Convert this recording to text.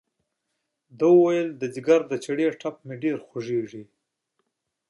ده وویل د ځګر د چړې ټپ مې ډېر خوږېږي.